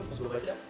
terus gua baca